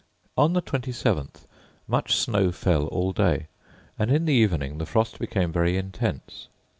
On the 27th much snow fell all day, and in the evening the frost became very intense.